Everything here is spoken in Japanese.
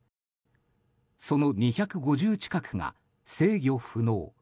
その２５０近くが制御不能。